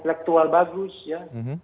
aktual bagus ya